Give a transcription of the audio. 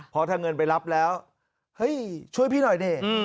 เพราะถ้าเงินไปรับแล้วเฮ้ยช่วยพี่หน่อยดิ